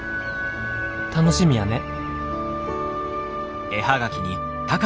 楽しみやね」。